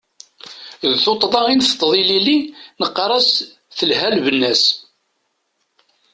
D tuṭṭḍa i nteṭṭeḍ ilili, neqqar-as telha lbenna-s.